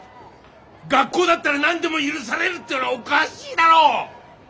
学校だったら何でも許されるっていうのはおかしいだろ！